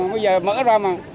bây giờ mở ra mà